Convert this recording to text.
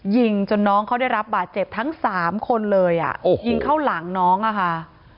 ยิงจนน้องเขาได้รับบาดเจ็บทั้งสามคนเลยอ่ะยิงเข้าหลังน้องอะค่ะ